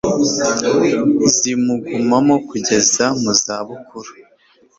zimugumamo kugeza mu za bukuru